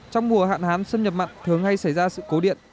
trong mùa hạn hán xâm nhập mặn thường hay xảy ra sự cố điện